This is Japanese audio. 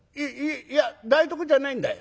いや台所じゃないんだ。